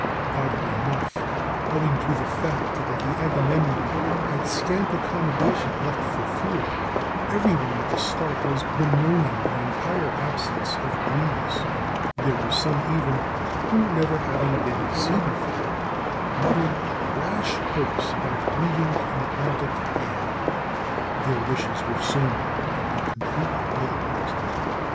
Oddly enough, owing to the fact that the Agamemnon had scant accommodation left for fuel, every one at the start was bemoaning the entire absence of breeze. There were some even, who, never having been at sea before, muttered rash hopes about meeting an Atlantic gale. Their wishes were soon to be completely realized.